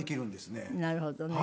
なるほどね。